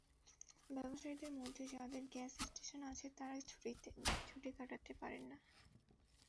ব্যবসায়ীদের মধ্যে যাদের গ্যাস স্টেশন আছে তারা ছুটি কাটাতে পারেন না।